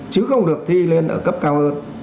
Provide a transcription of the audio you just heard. chứ không được thi lên ở cấp cao hơn